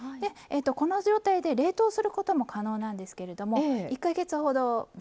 この状態で冷凍することも可能なんですけれども１か月ほど大丈夫です。